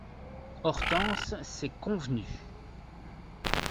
Hortense C'est Convenu …